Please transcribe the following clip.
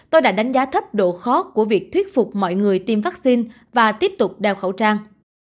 tôi đã đánh giá thấp độ khó của việc thuyết phục mọi người tiêm vaccine và tiếp tục đeo khẩu trang